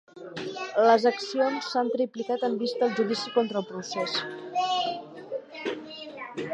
Les accions s'han triplicat amb vista al judici contra el procés.